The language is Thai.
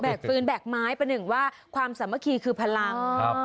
แบกฟื้นแบกไม้เป็นหนึ่งว่าความสามารถคีย์คือพลัง